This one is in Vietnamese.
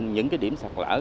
những điểm sạch lỡ